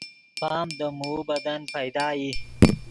پام دے موؤ بدن پیدا ای